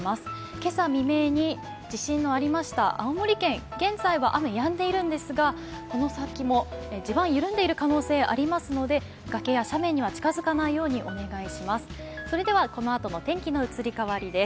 今朝未明に地震のありました青森県、現在は雨やんでいるんですが、この先も地盤が緩んでいる可能性がありますので、崖や斜面には近づかないようにお願いします。